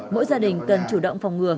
mỗi gia đình cần chủ động phòng ngừa